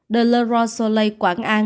the le roche soleil quảng an